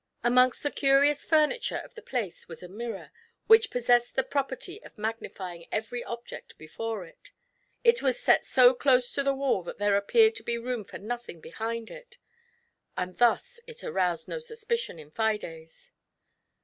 Amongst the curious furniture of the place was a mirror* which possessed the property of magnifying every object before it. It was set so close to the wall that there appeared to be room for nothing behind it, and thus it aroused no suspicion in Fides.